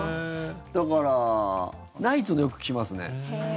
だから、ナイツのをよく聞きますね。